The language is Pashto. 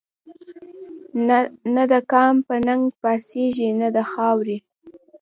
نه دقام په ننګ پا څيږي نه دخاوري